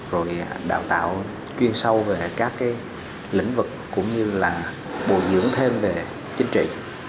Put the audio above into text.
rồi đào tạo chuyên sâu về các lĩnh vực cũng như là bồi dưỡng thêm về chính trị